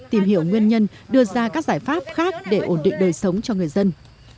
tìm hiểu nguyên nhân đưa ra các giải pháp khác để ổn định đời sống cho người dân